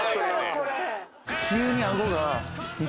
これ。